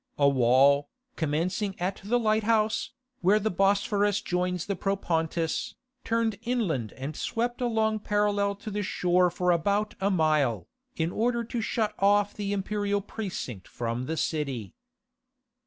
A wall, commencing at the Lighthouse, where the Bosphorus joins the Propontis, turned inland and swept along parallel to the shore for about a mile, in order to shut off the imperial precinct from the city.